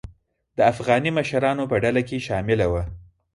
د افغاني مشرانو په ډله کې شامله وه.